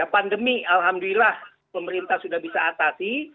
pandemi alhamdulillah pemerintah sudah bisa atasi